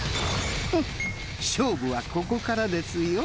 フッ勝負はここからですよ。